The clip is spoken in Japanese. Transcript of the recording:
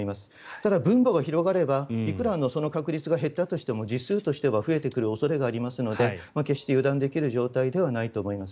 ただ分母が広がればいくらその確率が減ったとしても実数としては増えてくる恐れがありますので決して油断できる状況ではないと思います。